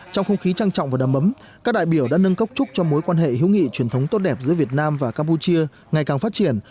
trong không khí trang trọng và đầm ấm các đại biểu đã nâng cốc chúc cho mối quan hệ hữu nghị truyền thống tốt đẹp giữa việt nam và campuchia ngày càng phát triển